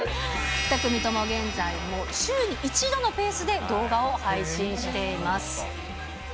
２組とも現在、週に１度のペースで動画を配信しています。